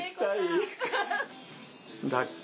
だっこ。